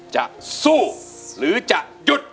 จะสู้หรือจะหยุด